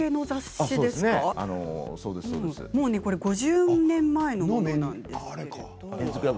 ５０年前のものなんです。